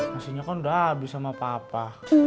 maksudnya kan udah abis sama papa